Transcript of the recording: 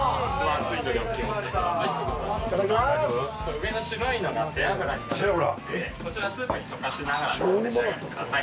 上の白いのが背脂になってますのでそちら、スープに溶かしながらお召し上がりください。